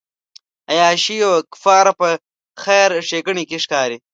عیاشیو کفاره په خیر ښېګڼې کې ښکاري.